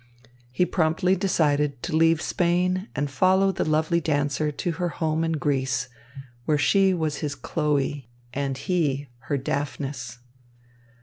He promptly decided to leave Spain and follow the lovely dancer to her home in Greece, where she was his Chloë and he, her Daphnis.